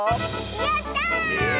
やった！え？